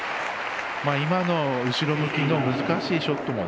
今の後ろ向きの難しいショット